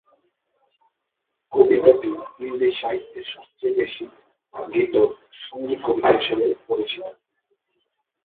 কবিতাটি হিন্দি সাহিত্যে সবচেয়ে বেশি গীত সংগীত কবিতা হিসেবে পরিচিত।